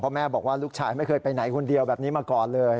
แม่บอกว่าลูกชายไม่เคยไปไหนคนเดียวแบบนี้มาก่อนเลย